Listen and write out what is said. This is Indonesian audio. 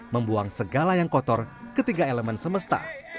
membuang segala yang kotor ketiga elemen semesta